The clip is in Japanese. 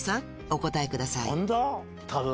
お答えください何だ？